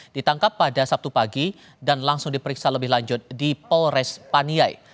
ditangkap pada sabtu pagi dan langsung diperiksa lebih lanjut di polres paniai